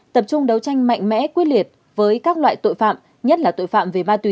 tập trung đấu tranh mạnh mẽ quyết liệt với các loại tội phạm nhất là tội phạm về ma túy